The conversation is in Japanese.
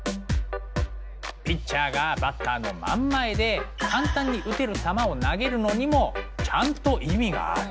ピッチャーがバッターの真ん前で簡単に打てる球を投げるのにもちゃんと意味がある。